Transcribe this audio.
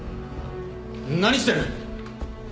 何してる！？